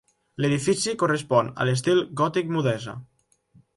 L'edifici correspon a l'estil gòtic-mudèjar.